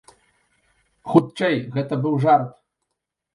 Хутчэй, гэта быў жарт.